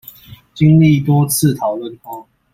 經歷多次討論後